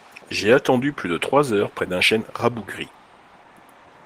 J’ai attendu plus de trois heures près d’un chêne rabougri.